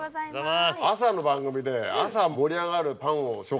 朝の番組で朝盛り上がるパンを紹介すんの？